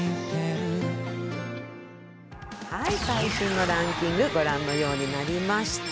最新のランキング、御覧のようになりました。